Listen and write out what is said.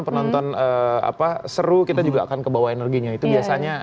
penonton seru kita juga akan kebawa energinya itu biasanya